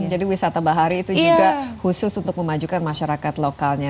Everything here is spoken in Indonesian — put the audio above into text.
jadi wisata bahari itu juga khusus untuk memajukan masyarakat lokalnya